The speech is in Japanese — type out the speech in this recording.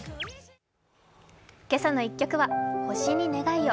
「けさの１曲」は「星に願いを」。